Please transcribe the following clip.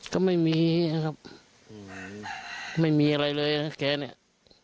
ก็ไม่มีนะครับไม่มีอะไรเลยนะแกเนี่ย